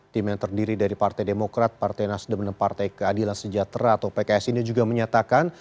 tim yang terdiri dari partai demokrat partai nasdem dan partai keadilan sejahtera atau pks ini juga menyatakan